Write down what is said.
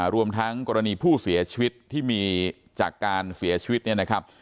รวมทั้งกรณีผู้เสียชีวิตที่มีจากการเสียชีวิตเนี่ยนะครับ